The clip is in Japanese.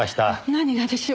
何がでしょう？